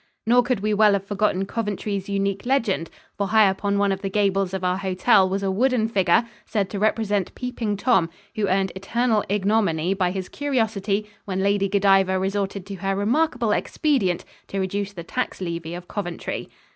Nor could we well have forgotten Coventry's unique legend, for high up on one of the gables of our hotel was a wooden figure said to represent Peeping Tom, who earned eternal ignominy by his curiosity when Lady Godiva resorted to her remarkable expedient to reduce the tax levy of Coventry.